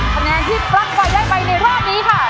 คะแนนที่ปลั๊กไฟได้ไปในรอบนี้ค่ะ